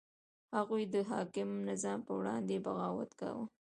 هغوی د حاکم نظام په وړاندې بغاوت کاوه.